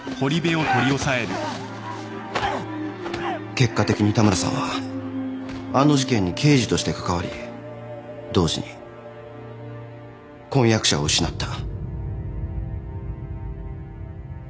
結果的に田村さんはあの事件に刑事として関わり同時に婚約者を失った。